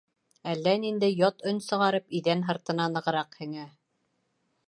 Әллә ниндәй ят өн сығарып, иҙән һыртына нығыраҡ һеңә.